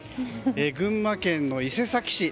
群馬県伊勢崎市。